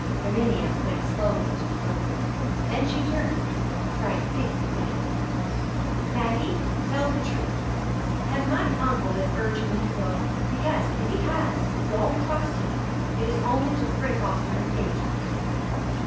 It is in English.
Erminia went slowly to the door. Then she turned, right facing Maggie. "Maggie! tell the truth. Has my uncle been urging you to go? Because if he has, don't trust him; it is only to break off your engagement."